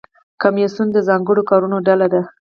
کمیسیون د ځانګړو کارونو ډله ده